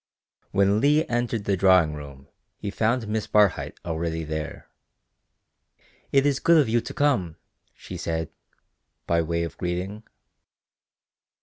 When Leigh entered the drawing room he found Miss Barhyte already there. "It is good of you to come," she said, by way of greeting.